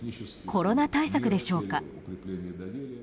コロナ対策でしょうか。